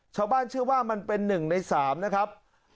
ชาวบ้านเชื่อว่ามันเป็น๑ใน๓นะครับ